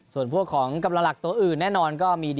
ส่วนพวกของกำลังหลักตัวอื่น